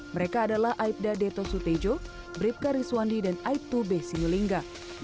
mereka adalah aibda deto sutejo bribka riswandi dan aibdu be sinulinga